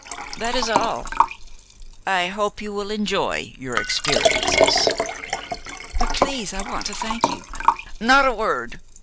That is all. I hope you will enjoy your experiences." "But, please, I want to thank you " "Not a word!